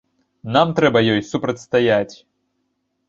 Нам трэба ёй супрацьстаяць.